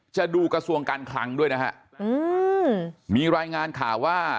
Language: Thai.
ดูกระทรวงการคลังด้วยนะฮะอืมมีรายงานข่าวว่า